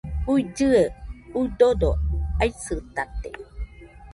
uillɨe, udodo aisɨtate